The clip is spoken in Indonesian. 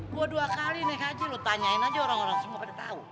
gue dua kali nih haji lo tanyain aja orang orang semua pada tau